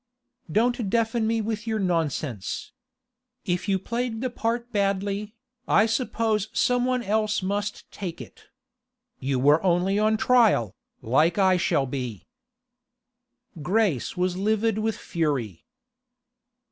'Don't deafen me with your nonsense! If you played the part badly, I suppose some one else must take it. You were only on trial, like I shall be.' Grace was livid with fury.